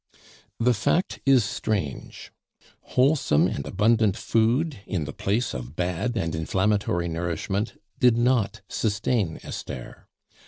The fact is strange. Wholesome and abundant food in the place of bad and inflammatory nourishment did not sustain Esther.